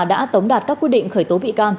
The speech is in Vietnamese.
đã tống đạt các quyết định khởi tố bị can